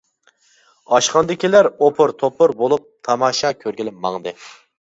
ئاشخانىدىكىلەر ئوپۇر-توپۇر بولۇپ تاماشا كۆرگىلى ماڭدى.